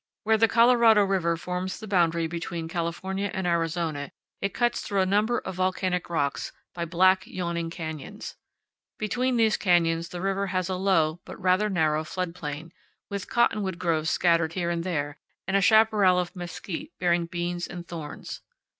Where the Colorado River forms the boundary between California and Arizona it cuts through a number of volcanic rocks by black, yawning canyons. Between these canyons the river has a low but rather narrow flood plain, with cottonwood groves scattered here and there, and a chaparral of mesquite bearing beans and thorns.